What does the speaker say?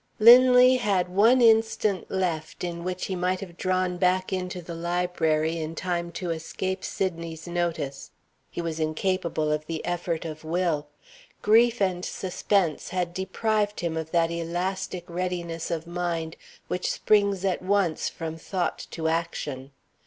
Linley had one instant left, in which he might have drawn, back into the library in time to escape Sydney's notice. He was incapable of the effort of will. Grief and suspense had deprived him of that elastic readiness of mind which springs at once from thought to action.